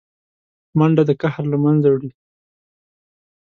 منډه د قهر له منځه وړي